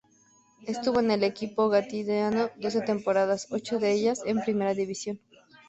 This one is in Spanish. Estuvo en el equipo gaditano doce temporadas, ocho de ellas en Primera División.